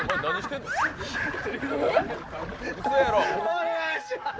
お願いします